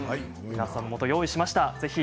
皆さんのもとに用意しました。